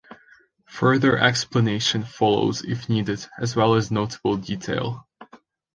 Further explanation follows if needed, as well as notable detail.